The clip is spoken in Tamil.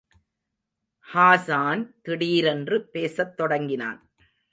ஹாஸான் திடீரென்று பேசத் தொடங்கினான்.